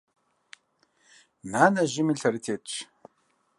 Нанэ жьыми, лъэрытетщ.